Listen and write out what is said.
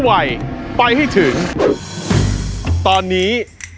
สวัสดีคุณพลาด